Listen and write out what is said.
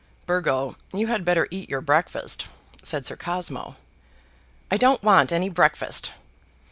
] "Burgo, you had better eat your breakfast," said Sir Cosmo. "I don't want any breakfast."